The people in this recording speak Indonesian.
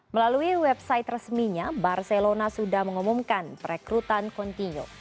melalui website resminya barcelona sudah mengumumkan perekrutan continuo